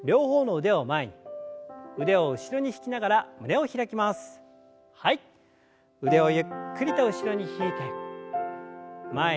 腕をゆっくりと後ろに引いて前に。